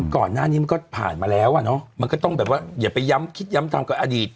ก่อนหน้านี้มันก็ผ่านมาแล้วอ่ะเนอะมันก็ต้องแบบว่าอย่าไปย้ำคิดย้ำทำกับอดีต